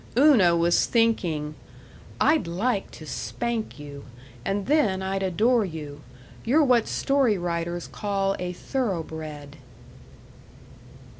Una was thinking, "I'd like to spank you and then I'd adore you. You're what story writers call a thoroughbred."